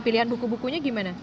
pilihan buku bukunya gimana